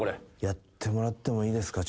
やってもらってもいいですか？